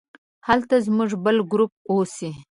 هلته زموږ بل ګروپ اوسي.